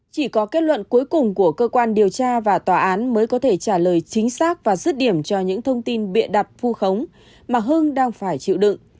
chỉ có kết luận cuối cùng của cơ quan điều tra và tòa án mới có thể trả lời chính xác và dứt điểm cho những thông tin bịa đặt vu khống mà hưng đang phải chịu đựng